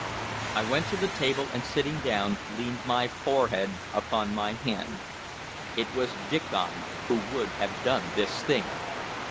I went to the table, and sitting down leaned my forehead upon my hand. It was Diccon who would have done this thing!